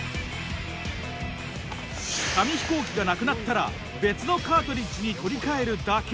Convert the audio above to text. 紙飛行機がなくなったら別のカートリッジに取り替えるだけ。